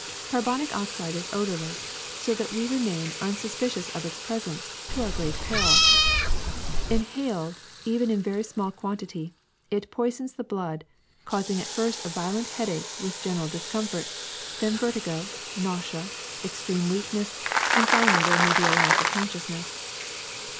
Carbonic oxide is odorless, so that we remain un suspicious of its presence, to our great peril. In haled even in a very small quantity, it poisons the blood, causing at first a violent headache with general discomfort, then vertigo, nausea, extreme weakness, and finally there may be a loss of consciousness.